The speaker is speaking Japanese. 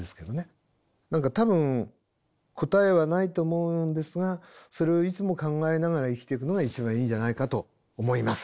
何か多分答えはないと思うんですがそれをいつも考えながら生きていくのが一番いいんじゃないかと思います。